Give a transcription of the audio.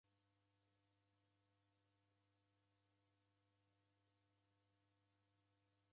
Kakabegha vindo kusigharie wambenyu